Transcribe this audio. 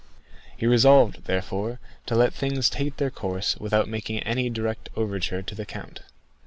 He resolved, therefore, to let things take their course without making any direct overture to the count.